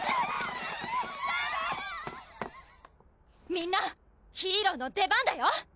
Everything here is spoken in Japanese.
みんなヒーローの出番だよ！